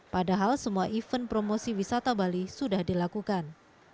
padahal semua event promosi wisata bali sudah dilakukan